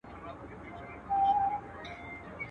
شپاړسمه نکته.